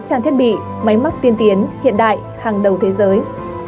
trang thiết bị máy móc tiên tiến hiện đại hàng đầu thế giới